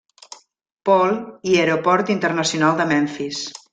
Paul, i Aeroport internacional de Memphis.